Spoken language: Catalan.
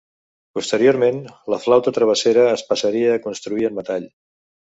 Posteriorment, la flauta travessera es passaria a construir en metall.